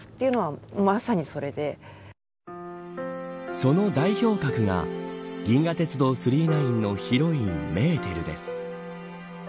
その代表格が銀河鉄道９９９のヒロインメーテルです。